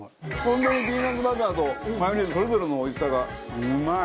本当にピーナッツバターとマヨネーズそれぞれのおいしさがうまい！